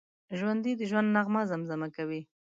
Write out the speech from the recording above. ژوندي د ژوند نغمه زمزمه کوي